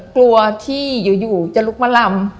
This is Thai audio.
กลัวที่อยู่จะลุกมาลำ